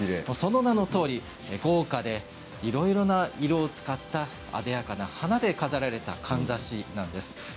その名のとおり豪華でいろいろな色を使ったあでやかな花で飾られたかんざしなんです。